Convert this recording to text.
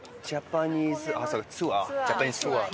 ウエンツ：ジャパニーズツアー？